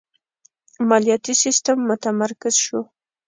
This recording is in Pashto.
مالیاتی سیستم متمرکز شو.